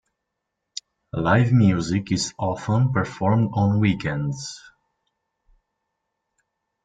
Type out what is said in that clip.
Live music is often performed on weekends.